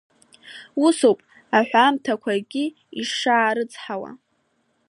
Усоуп аҳәамҭақәагьы ишаарыцҳауа.